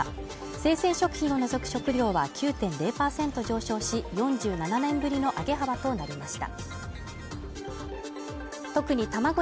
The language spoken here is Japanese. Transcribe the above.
生鮮食品を除く食料は９．０％上昇し、４７年ぶりの上げ幅となりました。